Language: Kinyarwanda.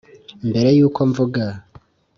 mbere yuko mvuga.